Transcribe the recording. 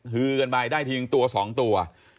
ฮือกันไปได้ทีหนึ่งตัวสองตัว